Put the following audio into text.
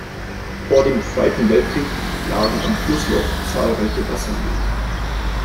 Vor dem Zweiten Weltkrieg lagen am Flusslauf zahlreiche Wassermühlen.